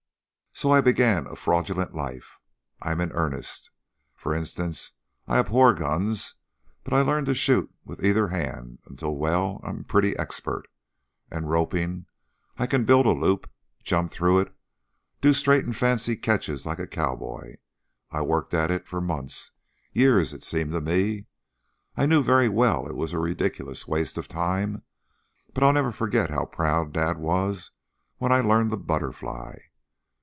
So I began a fraudulent life. I'm in earnest. For instance, I abhor guns, but I learned to shoot with either hand until well, I'm pretty expert. And roping! I can build a loop, jump through it, do straight and fancy catches like a cowboy. I worked at it for months, years it seemed to me. I knew very well it was a ridiculous waste of time, but I'll never forget how proud dad was when I learned the 'butterfly.'